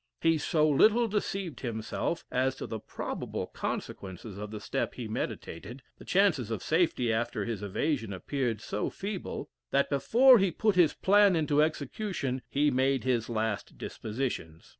He so little deceived himself as to the probable consequences of the step he meditated the chances of safety after his evasion appeared so feeble that before he put his plan into execution he made his last dispositions.